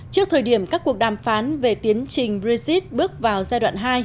trước thời điểm các cuộc đàm phán về tiến trình brexit bước vào giai đoạn hai